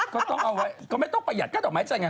ก็ต้องเอาไว้ก็ไม่ต้องประหยัดก็ดอกไม้ใจไง